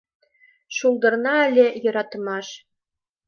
Шулдырна ыле — йӧратымаш.